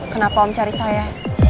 kenapa om cari saya